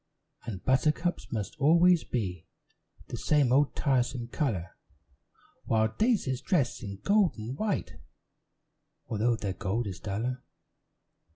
And buttercups must always be The same old tiresome color; While daisies dress in gold and white, Although their gold is duller.